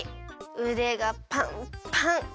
うでがパンパン！